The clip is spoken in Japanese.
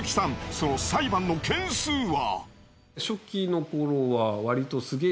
その裁判の件数は？